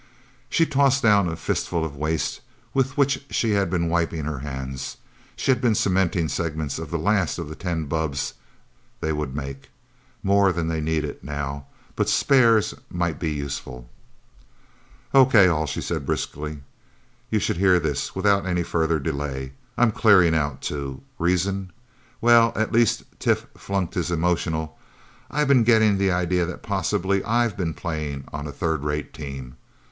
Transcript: She tossed down a fistful of waste with which she had been wiping her hands she had been cementing segments of the last of the ten bubbs they would make more than they needed, now, but spares might be useful. "Okay, all," she said briskly. "You should hear this, without any further delay. I'm clearing out, too. Reasons? Well at least since Tif flunked his emotional I've been getting the idea that possibly I've been playing on a third rate team.